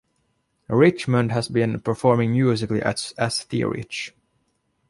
Richmond has been performing musically as T-Rich.